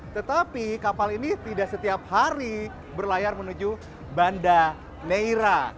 tetapi kapal ini tidak setiap hari berlayar menuju banda neira